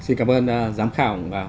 xin cảm ơn giám khảo